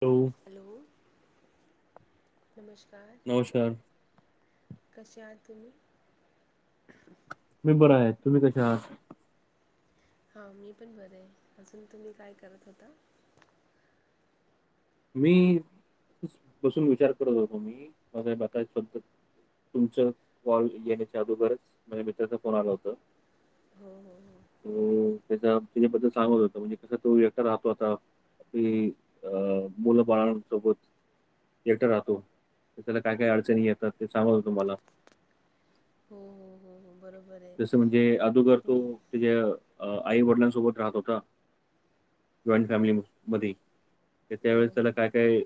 ठेवू? हॅलो नमस्कार. नमस्कार. कसे आहात तुम्ही? मी बरा आहे तुम्ही कसे आहात? हां मी पण बरी आहे, अजून तुम्ही काय करत होता? मी बसून विचार करत होतो, मी माझा [unintelligible] तुमचं कॉल येण्याच्या अगोदरच माझ्या मित्राचा फोन आला होता. हो हो हो. त त्याचा त्याच्याबद्दल सांगत होता, म्हणजे कसं तो एकटा राहतो आता मग ते अ मुलं बाळांसोबत. एकटा राहतो. तर त्याला काय काय अडचणी येतात ते सांगत होता मला. हो हो हो हो. बरोबर आहे. जसं म्हणजे अदोगर तो त्याच्या आई वडिलांसोबत राहत होता. जॉईंट फॅमिलीमध्ये तर हो त्यावेळेस हो त्याला काय काय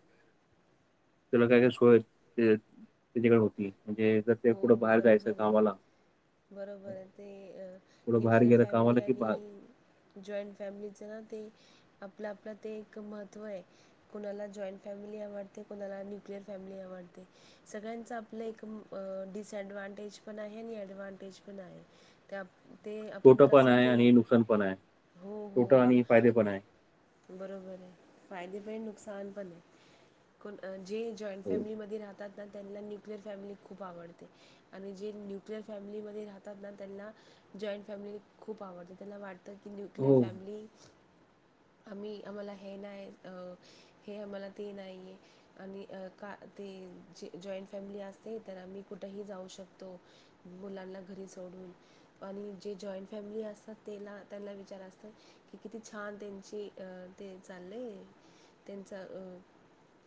त्याला काय काय सोय त्याच्याकडे होती, म्हणजे जर ते हो कुठं बाहेर जायचं बरोबर गावाला आहे बरोबर आहे ते अ कुठं बाहेर न्युक्लियर गेलं फॅमिली कामाला की बा आणि जॉईंट फॅमिलीचं ना ते आपलं आपलं ते एक महत्त्व आहे. कुणाला जॉईंट फॅमिली आवडते, कोणाला न्यूक्लियर फॅमिली आवडते. सगळ्यांचं आपलं एक डिसॲडवांटेज पण आहे आणि ॲडवांटेज पण आहे त्या ते आपण तोटा पण कसं आहे ते आणि नुकसान पण आहे हो हो तोटा हो आणि फायदे पण आहे. बरोबर आहे फायदे पण आहे नुकसान पण आहे जे जॉईंट हो फॅमिलीमध्ये राहतात ना, त्यांना न्युक्लिअर फॅमिली खूप आवडते. आणि जे न्यूक्लिअर फॅमिलीमध्ये राहतात ना, त्यांना जॉईंट फॅमिली खूप आवडते त्यांना वाट आता की न्युक्लियर हो, फॅमिली आम्ही आम्हाला हे नाही अ हे आम्हाला ते नाहीय आणि का ते जे जॉईंट फॅमिली असते तर आम्ही कुठेही जाऊ शकतो, मुलांना घरी सोडून. आणि जे जॉईंट फॅमिली असतात ते ना, त्यांना विचार असतात कि किती छान त्यांची अं ते चाललंय त्यांचा अ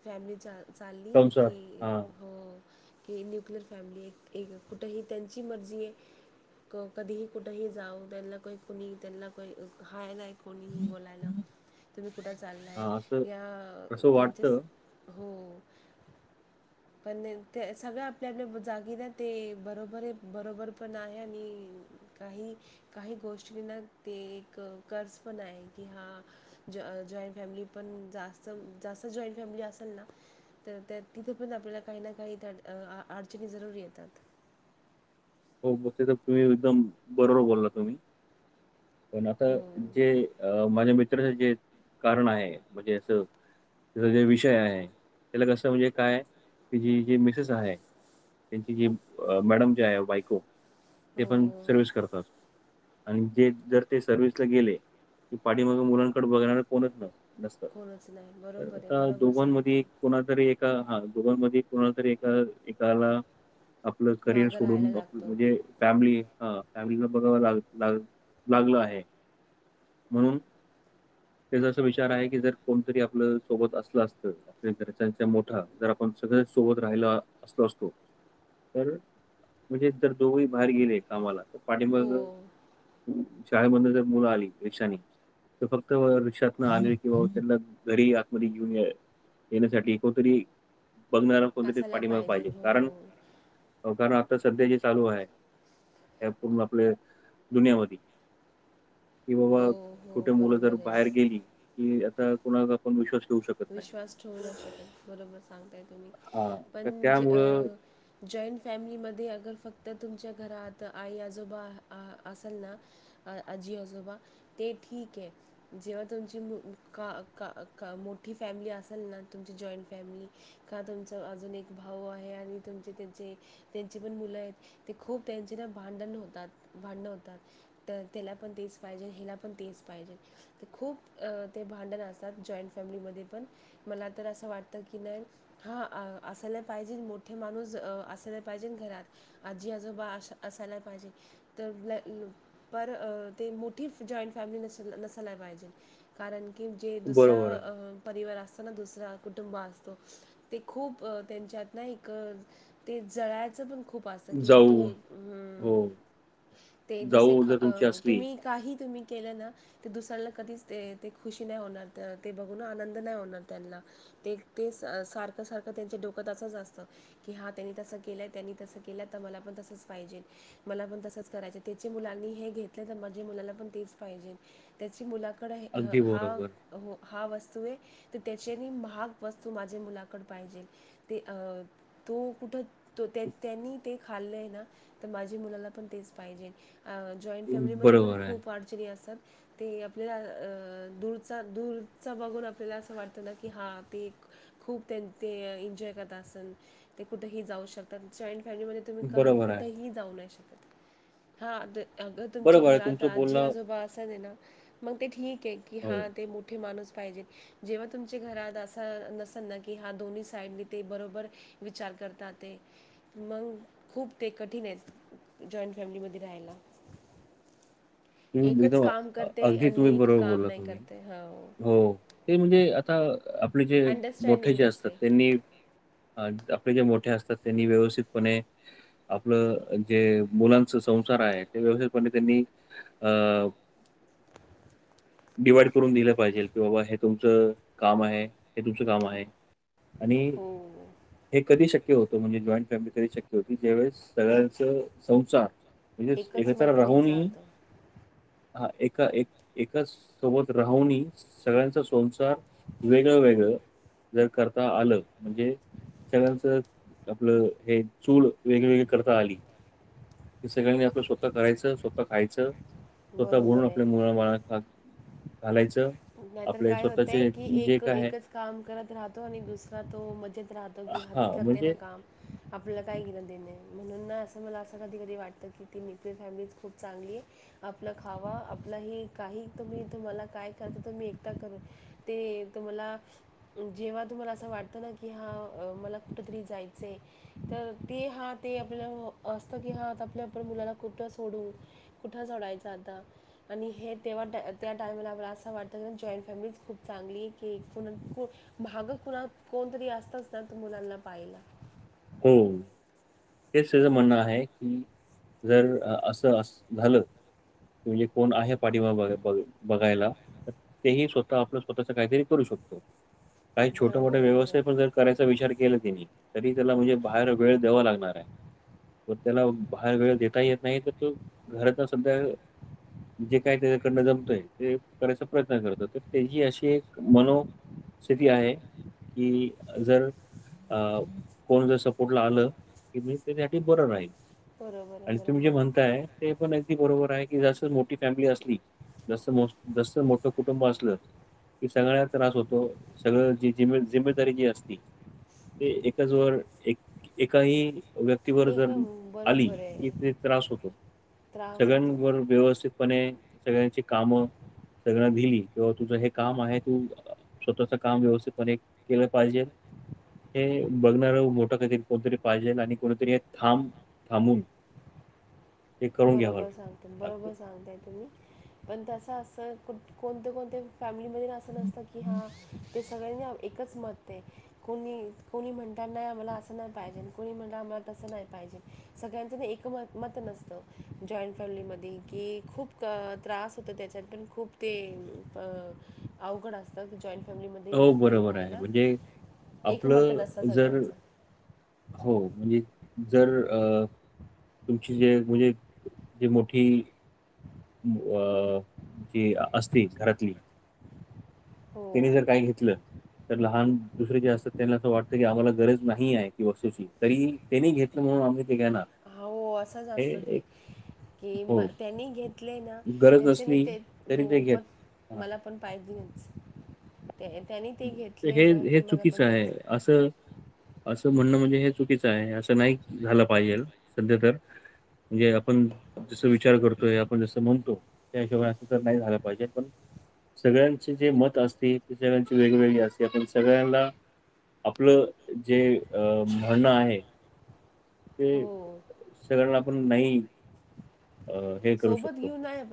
फॅमिली चा चालली संसार की हा हो की न्युक्लिअर फॅमिली आहे एक कुठेही त्यांची मर्जी क कधीही कुठेही जाऊ, त्यांना काही कुणी, त्यांना काय हाय नाय, कोणीही बोलायला तुम्ही कुठं चाललाय, हा असं या असं त्यांच्या वाटतं हो, पण तेन तेच सगळं आपल्याल्या जागीला, ते बरोबर ए, बरोबर पण आहे आणि काही काही गोष्टींना ते, एक कर्ज पण हाये की हा जॉईं जॉईंट फॅमिली पण जास्त, जास्त जॉईंट फॅमिली असल ना तर त्या तिथं पण आपल्याला काही ना काही तर अं आडचणी जरूरी येतात. हो बघते तर तुम्ही एकदम, बरोबर बोलला तुम्ही, पण आता हो जे, अं माझ्या मित्राचं जे कारण आहे म्हणजे असं त्याचा जे विषय आहे, त्याला कसं म्हणजे काय, की जी जी मिसेस आहे त्यांची जी मॅडम जे आहे, बायको ते हो पण हो हो सर्विस करतात आणि ते जर ते सर्विसला गेले की पाठीमागे मुलांकडे बघणारं कोणच नाई नसतं, कोणच नाही तर बरोबर आहे आता बरोबर सांगतो दोघांमध्ये, कोणाल तर एक तर हा, दोघांमधे कोणाला तरी एका, एकाला आपलं करिअर मागं राहायला सोडून लागतो फ फॅमिली, हं फॅमिलीला बघावं लाग, लागलं आहे म्हणून त्याचा असं विचार आहे की, जर कोणी तरी आपलं सोबत असलं असतं, आपल्या घरच्यांचा मोठा, जर आपण सगळ्यासोबत राहिलो, असलो असतो तर म्हणजे, जर दोघंही बाहेर गेले कामाला, तर हो पाठीमागं शाळेमधनं जर मुलं आली रिक्षानी तर फक्त रिक्षातनं आली किंवा त्यांना घरी आतमध्ये घेऊन ये येण्यासाठी कोणतरी, बघणारं, कोणीतरी असायला पाठीमागं पाहिजे हो कारण- [unintelligible] तर सध्या जे चालू आहे, त्या पूर्ण आपले दुनियामधी कि हो बाबा हो छोटे मुलं जर बरोबर आहे बाहेर गेली की आता कुणाला आपण विश्वास ठेऊ शकतो विश्वास ठेवू न शकत, बरोबर सांगताय तुम्ही, हा तर पण जे त्यामुळं अं जॉईंट फॅमिलीमध्ये अगर फक्त तुमच्या घरात आई आजोबा आ असेल ना आ आज्जी आजोबा, ते ठीक ए. जेव्हा तुमची, का का मोठी फॅमिली असेल ना तुमची, जॉईंट फॅमिली का तुमचा अजून एक भाऊ आहे, आणि तुमचे त्यांचे त्यांचे पण मुलं हेत, ते खूप त्यांचे ना भांडण होतात, भांडणं होतात तर त्याला पण तेच पाहिजे, हिला पण तेच पाहिजे. ते खूप ते भांडण असतात जॉईंट फॅमिलीमध्ये ते पण, मला तर असं वाटतं की नाय हा असायला पाहिजे, मोठे माणूस असायला पाहिजे घरात. आजी आजोबा असायला पाहिजेत. तर [unintelligible] पर ते मोठीच जॉईंट फॅमिली नसून, नसायला पाहिजे. कारण की जे बरोबर दुसरं आहे. अं परिवार असतो ना, दुसरा कुटुंब असतो. ते खूप त्यांच्यात ना एक ते जळायचं पण खूप खूप असतं. हा जाऊ तुम्ही, हो हू, ते दुसरे जाऊ खा, जर तुमची अं असली तुम्ही काही तुम्ही केलं ना, ते दुसऱ्याला कधीच ते, ते खुशी नाही होणार, ते बघून ना आनंद आनंद नाही होणार त्यांना. ते ते सारखं सारखं त्यांच्या डोक्यात असंच असतं. की हा त्यांनी तसं केलंय, त्यांनी तसं केलंय तर, मला पण तसंच पाहिजे. मला पण तसंच करायचंय. त्याची मुलांनी हे घेतलं तर माझी मुलाला पण तेच पाहिजे. त्याची मुलाकडे, हं अगदी हा, बरोबर. हो हा वस्तू ए तरं त्यांच्याने महांग वस्तूं माझ्यां मुलांकडं पाहिजे ते अं तो कुठं तो त्यां त्यांनी ते खाल्लंय नां तरं माझ्यां मुलांला पणं तेचं पाहिजे. जॉईंट फॅमिलीमध्यें पणं बरोबर आहे, खूंप अडचणी असत्यांत ते आपल्यांला दू दूंरचां बघूंन आपल्यांला तिला असं वाटलं की हां ती खूंप ते एन्जॉय करतं असंन ते कुठंही जाऊं शकतांत जॉईंट फॅमिलीमध्यें तुम्हीं कां बरोबर आहे. कुठेही जाऊं नाहीं शकतं हां अगं तुमच्यां बरोबर आहे घरांत तुमचं आजी बोलणं आजोबा असतं आहे नां मगं ते ठीक आहे की हो. हां ते कुठे माणूंस पाहिजे जेव्हां तुमच्यां घरांत असं नसेल नां की हां दोन्ही साईडनी ते बरोबर विचांर करतांत ते है मंग ते खूंप ते कठीण आहेतं जॉईंट फॅमिलीमध्यें राहांयला. काम करते अगदीं आणि तुम्हीं एक बरोबर काम बोललांत नाही तुम्हीं करते. हो ते म्हणजे आंता आपले जे मोठे अंडरस्टँडिंग जे असतांत नसते. त्यांनी अं आपले जे मोठे असतांत त्यांनी व्यवस्थितंपणे आपलं जे मुलांच संसार आहे ते व्यवथित पद्धतीने अं डिवाइड करूंन दिलं पाहिजे कि बाबां हे तुमचं कामं आहे हे तुमचं कामं आहे आणि हो, हे कधीं शक्यं होतं म्हणजे जॉईंट फॅमिली कधीं शक्यं होती ज्यावेळेस सगळ्यांच संसार म्हणजे एकच एकत्रं मताने राहूंनही चालतं. हां एकां एकांच सोबतं राहूंन सगळ्यांचा संसार वेगळं वेगळं जरं करतां आलं म्हणजे सगळ्यांच आपलं हे चूंल वेगळी वेगळी करतां आली. हे सगळ्यांनी आपणं स्वंतः करायचं स्वंतः खायचं. स्वंतः बोलूंन बरोबर आहे. आपल्या मुलां बाळांना खांयाला घांलायचं. नाहीं तरं कायं होतंय की एक काय आहे एकचं कामं करतं राहतो आणि दुसरा तो मजेत राहतो की हां ती हा करते नं म्हणजे कामं आपल्याला कायं घेणं देणं आहं म्हणूंन नां असं मलां असं कधीं कधीं वाटतं की ती फॅमिली खूंप चांगली आहे. आपलं खावं आपलं हे कांहीं तुम्हीं तुम्हांला कायं करतां ते तूम्हीं मी एकटं करूं ते तुम्हांला जेंव्हां तुम्हांला असं वाटतं नां की हां मलां कुठंतरी जायचं आहे. तरं ते हां ते आपल्या असतं की हा आपल्या आपणं मुलांला कोठे सोडूं कुठं सोडांयचं आंता आणि हे तेव्हां त्यां टाईमांला आपलां असं असं वाटतं जॉईंट फॅमिलीच खूंप चांगली कि कू मागं कोणां कोणंतरी असतंच नां तरं मुलांना पाहिला. हो हेचं त्याचं म्हणणं आहे की जरं असं असं झालं म्हणजे कोणं आहे पाठीमागे बघांयला तरं तेही स्वंतः आपलं स्वंतःचं कांहींतरी करूं शकतो कांहीं छोटं मोठां बरोबर आहे बरं व्यवसांय आहे पणं करांयचा विचार केलां तिनी तरी त्यांला म्हणजे बाहेर वेळं द्यांवा लागणारं त्यांला बाहेर वेळं देतां येतं नाहीं तरं तो घरांत संध्या जे कायं त्यांच्याकडं नं जमतंय ते करांयचा प्रयंत्न करतो तरं त्यांची अशी मनो- -स्थिती आहे की जरं अं कोणं जरं सपोर्टला आलं की मी त्यांसाठी बरं राहील बरोबर आहे आणि तुम्हीं जे बरोबर आहे म्हणतांय ते पणं अगदी बरोबर आहे की जसं मोठी फॅमिली असली जास्तं जास्तं मोठं कुटुंब असलं की सगळ्याना त्रास होतो, सगळं जी ज जिमेदारी जी असती एकच वर एका ही व्यक्तीवर जर एकदम आली, बरोबर की आहे ते त्रास होतो त्रास होतो सगळ्यांनवर व्यवस्थित पणे सगळ्यांची कामं सगळ दिली तेव्हा तुझं हे काम आहे तू स्वतःच काम व्यवस्थितपणे केलं पाहिजे, हे बघणार मोठं कधी कोणतरी पाहिजेल आणि कोणीतरी एक थांब थांबून ते करून घ्यावं बरोबर सांगत लागतं. बरोबर सांगताय तुम्ही पण तसं असं, कोणत्या कोणत्या फॅमिलीमध्ये असं नसतं की हां हो, की सगळ्यांनी एकच मत हे कोणी, कोणी म्हणतात ना मला असं नाही पाहिजेल कोणी म्हणणार आम्हाला तसं नाही पाहिजेल सगळ्यांच एकमत, मत नसतं जॉईंट फॅमिलीमध्ये की खूप त्रास होतो त्याच्यात पण खूप ते अवघड असतं की जॉईंट फॅमिलीमध्ये मिळ पण बरोबर आहे. राहायला म्हणजे एकमत आपलं नसतं जर सगळ्यांचं हो म्हजी जर अ तुमची जे म्हणजे, जी मोठी अ, जी असती घरातली तिने जर हो काय घेतलं तर लहान दुसरे जे असत्यात त्यांना असं वाटतं की आम्हाला गरज नाही हाय, ती वस्तूची तरी ही त्यांनी घेतलं म्हणून आम्ही ते घेणार हों असंच हे असत ते एक कि म हो, त्यांनी घेतलय ना, गरज त्याच्याने नसली ते तरी हो ते घेत पण हां. मला पण पाहिजेच, त्यानी ते तर घेतलंय हे ना तर हे मला पण चुकीचं आहे. तेच असं असं म्हणणं म्हणजे हे चुकीचे हाय, असं नाही झालं पाहिजेल सध्या तर म्हणजे आपण जस विचार करतोय आपण जसं म्हणतो त्या हिशोबानं अस तर नाही झालं पाहिजे पण, सगळ्यांचे जे मत असते ते सगळ्यांचे वेगवेगळी असते, आपण सगळ्यांना आपलं जे म्हणणं आहे ते हो सगळ्यांना आपण नाही अ, हे करू सोबत शकतो. घेऊन नाय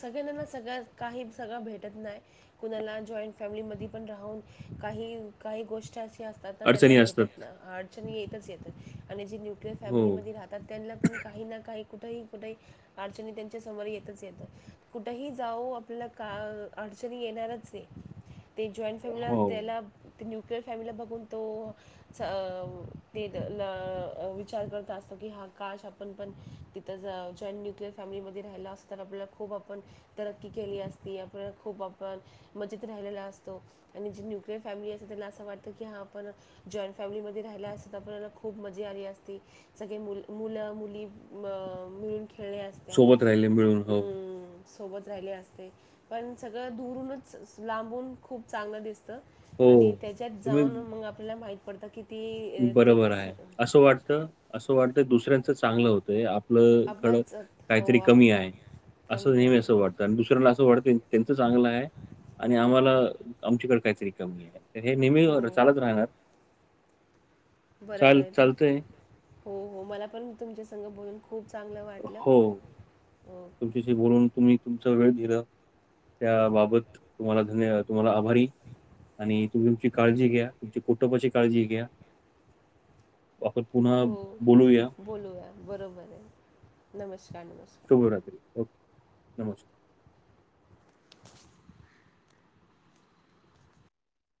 सगळ्यांना सगळ काही सगळं भेटत नाय कुणाला जॉईंट फॅमिलीमधी पण राहून काही, काही गोष्ट्या ती असतात, त्यानंला अडचणी असतात. भेटत नाय अडचणी येतच येतात आणि जे न्यूक्लियर हो, फॅमिली मध्ये राहत तर त्यानंला पण काही ना काही कुठेही कुठेही अडचणी त्यांच्या समोर येतच येतं, कुठेही जावो आपल्याला का, अडचणी येणारच हेय ते जॉईंट फॅमिलीला हो. त्येला न्यूक्लियर फॅमिलीला बघून तो च, ते, गं ल, ते विचार करत असतो की हा का श आपण पण तिथं ज जॉईंट न्यूक्लियर फॅमिलीमध्ये राहिला असताना आपल्याला खूप आपण तरक्की केली असती असं आपण खूप आपण, मजेत राहिलेला असतो. आणि जी न्यूक्लियर फॅमिली असते त्यानंला असं वाटतं की हा पण जॉईंट फॅमिलीमध्ये राहिला असता तर आपल्याला खूप मजा आली असती. सगळे मु मुलं मुली अ मिळून खेळल्यात त्यात, सोबत राहिले मिळून. हो, हम्मं सोबत राहिले असते, पण सगळं दुरूनच, लांबून खूप चांगलं दिसतं हो. आणि त्याच्यात तुम्ही जाऊन मग आपल्याला माहीत पडत की ती अं, ते बरोबर हाय, कसं असं वाटत, असं वाटतं दुसऱ्यांचं चांगलं होतंय आप आपलं खड आपलाच हो काहीतरी आप कमी आहे, असं कमी नेहमी आहे असं वाट त, दुसऱ्याला असं वाटत, त्यांचं चांगलं आहे आणि आम्हाला आमच्याकडे काहीतरी कमी आहे. हे हो नेहमीच चालत राहणार. बर चाल बाय, तुम चालतंय. हो, हो मला तुमच्यासंग बोलून खूप चांगलं वाटलं. हो. विषय बोलून तुम्ही तुमचा वेळ दिल त्याबाबत तुम्हाला धन्य- तुम्हाला आभारी. आणि तुम्ही तुमची काळजी घ्या, तुमची कुटुंबाची काळजी घ्या. आपण पुन्हा हो बोलूया. बोलूया बरोबर आहे, नमस्कार, नमस्कार. शुभ रात्री ओके, नमस्कार. [inaudible]